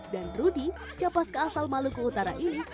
dan rudi capaska asal maluku utara ini